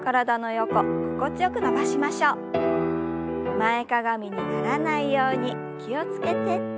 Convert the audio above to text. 前かがみにならないように気を付けて。